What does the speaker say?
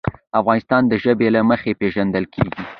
افغانستان د ژبې له مخې پېژندل کېږي.